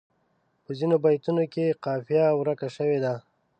په ځینو بیتونو کې قافیه ورکه شوې ده.